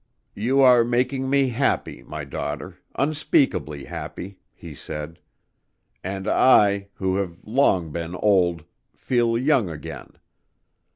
"You are making me happy, my daughter, unspeakably happy," he said. "And I, who have long been old, feel young again.